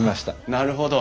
なるほど。